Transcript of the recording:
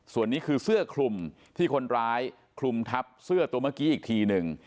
ส่วนนี้คือเสื้อคลุมที่คนร้ายคลุมทับเสื้อตัวเมื่อกี้อีกทีหนึ่ง